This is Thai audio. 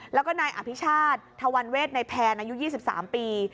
แล้วก็นายอภิชาธิ์ถวรเวทย์ในแผนอายุ๒๓ปี